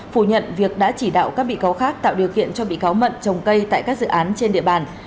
phủ nhận việc đã chỉ đạo các bị cáo khác tạo điều kiện cho bị cáo mận trồng cây tại các dự án trên địa bàn